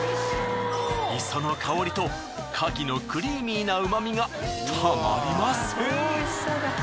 磯の香りとカキのクリーミーな旨みがたまりません。